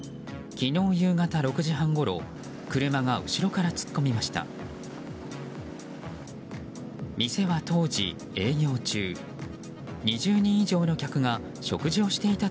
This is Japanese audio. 昨日夕方６時半ごろ車が後ろから突っ込みました。